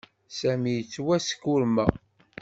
Sami yettwaskurma.